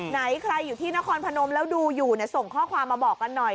ไหนใครอยู่ที่นครพนมแล้วดูอยู่ส่งข้อความมาบอกกันหน่อย